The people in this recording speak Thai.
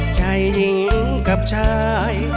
ใจยิ้มกับชาย